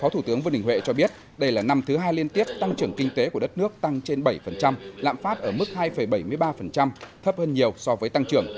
thủ tướng vương đình huệ cho biết đây là năm thứ hai liên tiếp tăng trưởng kinh tế của đất nước tăng trên bảy lạm phát ở mức hai bảy mươi ba thấp hơn nhiều so với tăng trưởng